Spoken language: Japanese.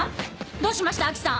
どうしました安芸さん！